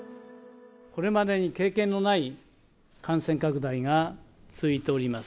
これまでに経験のない感染拡大が続いております。